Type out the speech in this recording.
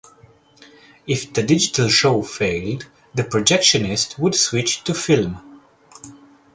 If the digital show failed the projectionist would switch to film.